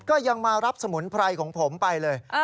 ก็ยังมารับสมุนไพรของผมไปเลย